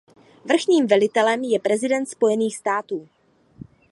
Vrchním velitelem je prezident Spojených států.